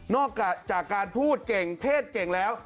จากการพูดเก่งเทศเก่งแล้ว